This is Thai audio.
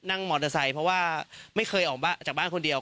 นั่งมอเตอร์ไซค์เพราะว่าไม่เคยออกจากบ้านคนเดียว